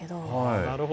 なるほど。